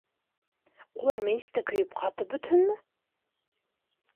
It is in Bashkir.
Улар мейестә көйөп, ҡатып бөтһөнмө?